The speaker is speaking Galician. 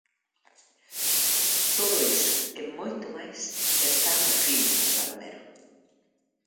Todo iso, e moito máis, está no filme de Palomero.